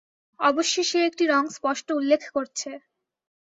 অবশ্যি সে একটি রঙ স্পষ্ট উল্লেখ করছে।